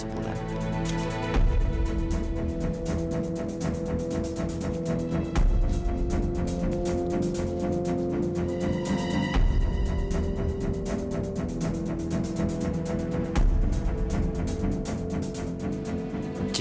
sampai jumpa lagi